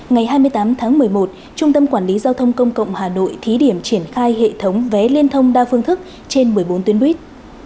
ngày hai mươi tám tháng một mươi một trung tâm quản lý giao thông công cộng hà nội thí điểm triển khai hệ thống vé liên thông đa phương thức trên một mươi bốn tuyến buýt